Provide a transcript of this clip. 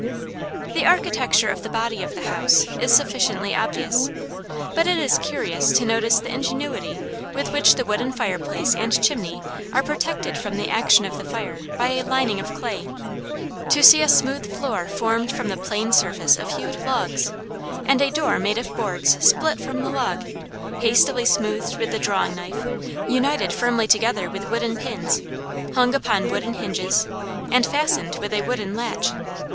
The architecture of the body of the house is sufficiently obvious, but it is curious to notice the ingenuity with which the wooden fireplace and chimney are protected from the action of the fire by a lining of clay, to see a smooth floor formed from the plain surface of hewed logs, and a door made of boards split from the log, hastily smoothed with the drawing knife, united firmly together with wooden pins, hung upon wooden hinges, and fastened with a wooden latch.